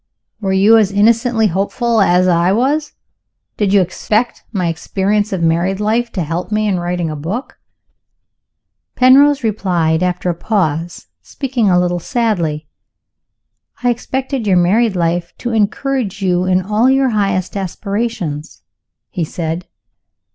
Were you as innocently hopeful as I was? Did you expect my experience of married life to help me in writing my book?" Penrose replied after a pause, speaking a little sadly. "I expected your married life to encourage you in all your highest aspirations," he said.